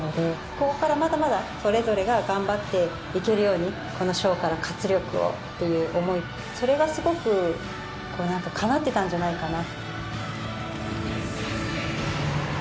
ここからまだまだそれぞれが頑張っていけるようにこのショーから活力をっていう思いそれがすごく叶ってたんじゃないかな。